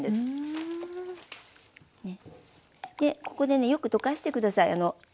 ここでねよく溶かして下さい。